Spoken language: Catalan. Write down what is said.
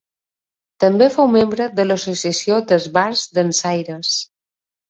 També fou membre de l'Associació d'Esbarts Dansaires.